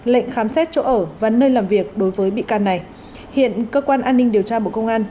lệnh khám xét chỗ ở và nơi làm việc đối với bị can này hiện cơ quan an ninh điều tra bộ công an